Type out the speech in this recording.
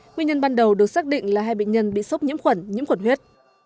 nguyên nhân ban đầu được xác định là hai bệnh nhân bị sốc nhiễm khuẩn nhiễm khuẩn huyết